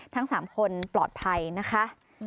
ทั้ง๓คนปลอดภัยนะคะ